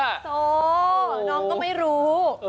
โอ้โหน้องก็ไม่รู้